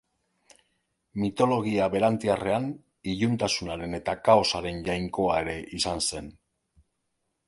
Mitologia berantiarrean, iluntasunaren eta kaosaren jainkoa ere izan zen.